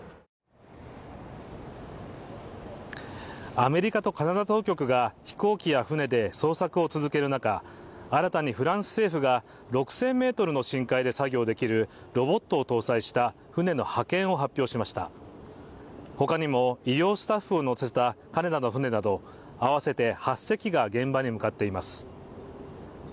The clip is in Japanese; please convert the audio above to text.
アメリカとカナダ当局が、飛行機や船で捜索を続ける中、新たにフランス政府が６０００ｍの深海で作業できるロボットを搭載した船の派遣を発表しました他にも医療スタッフを乗せたカナダの船など、合わせて８隻が現場に向かっています。